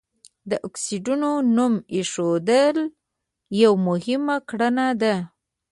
د اکسایډونو نوم ایښودل یوه مهمه کړنه ده.